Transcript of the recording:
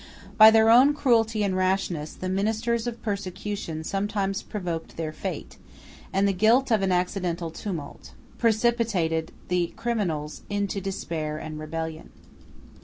By their own cruelty and rashness, the ministers of persecution sometimes provoked their fate; and the guilt of an accidental tumult precipitated the criminals into despair and rebellion.